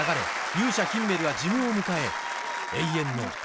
勇者ヒンメルは寿命を迎え